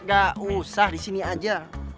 gak usah di sini aja